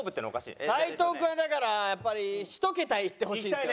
斎藤君はだからやっぱり１桁いってほしいですよね。